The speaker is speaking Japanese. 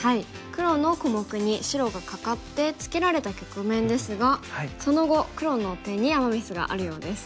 黒の小目に白がカカってツケられた局面ですがその後黒の手にアマ・ミスがあるようです。